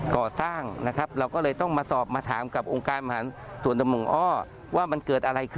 ความกังวลของชาวบ้านที่ไม่อยากให้สร้างปั๊มแก๊สเลยเพราะอะไรคะ